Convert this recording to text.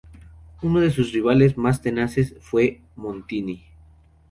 Uno de sus rivales mas tenaces fue Montini.